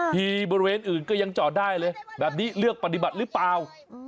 บริเวณอื่นก็ยังจอดได้เลยแบบนี้เลือกปฏิบัติหรือเปล่า